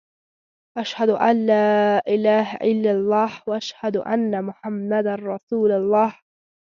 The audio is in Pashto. اشهد ان لا اله الا الله و اشهد ان محمد رسول الله.